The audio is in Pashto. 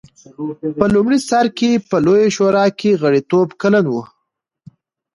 په لومړي سر کې په لویه شورا کې غړیتوب کلن و.